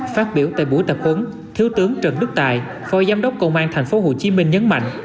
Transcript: phát biểu tại buổi tập huấn thiếu tướng trần đức tài phó giám đốc công an thành phố hồ chí minh nhấn mạnh